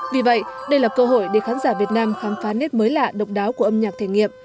vì vậy đây là cơ hội để khán giả việt nam khám phá nét mới lạ độc đáo của âm nhạc thể nghiệm